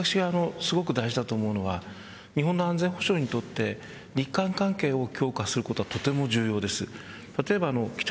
私がすごく大事だと思っているのが日本の安全保障にとって日韓関係を強化することはとても重要です。